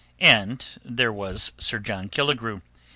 And there was Sir John Killigrew.